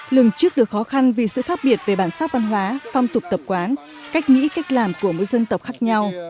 lần trước được khó khăn vì sự khác biệt về bản sắc văn hóa phong tục tập quán cách nghĩ cách làm của mỗi dân tộc khác nhau